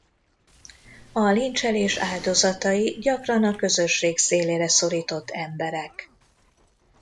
A lincselés áldozatai gyakran a közösség szélére szorított emberek.